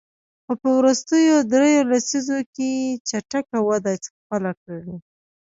خو په وروستیو دریوو لسیزو کې یې چټکه وده خپله کړې.